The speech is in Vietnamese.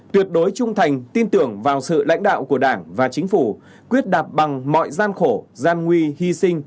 tuyệt đối trung thành tin tưởng vào sự lãnh đạo của đảng và chính phủ quyết đạp bằng mọi gian khổ gian nguy hy sinh